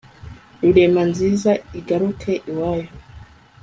Rurema nziza igaruke iwayo